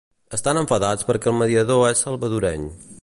Estan enfadats perquè el mediador és salvadoreny.